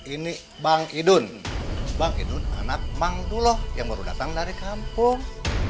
ini bang idun bang idun anak mangduloh yang baru datang dari kampung